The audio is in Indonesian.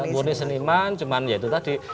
murni seniman cuman ya itu tadi